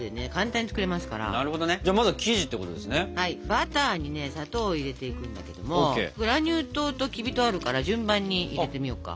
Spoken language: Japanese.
バターに砂糖を入れていくんだけどもグラニュー糖ときび糖あるから順番に入れてみようか。